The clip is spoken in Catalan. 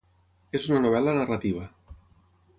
És una novel·la narrativa.